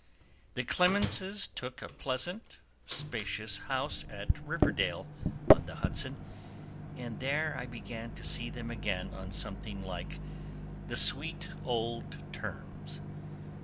The Clemenses took a pleasant, spacious house at Riverdale, on the Hudson, and there I began to see them again on something like the sweet old terms.